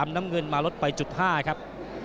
น้ำเงินมาลดไปจุด๕ครับ